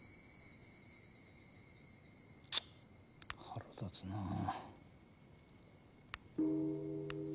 腹立つなあ。